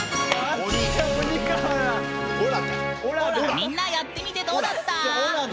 みんなやってみて、どうだった？